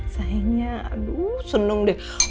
sayangnya aduh seneng deh